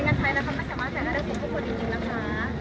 มันเป็นสิ่งที่จะให้ทุกคนรู้สึกว่ามันเป็นสิ่งที่จะให้ทุกคนรู้สึกว่า